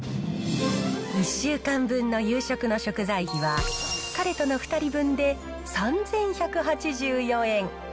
１週間分の夕食の食材費は、彼との２人分で３１８４円。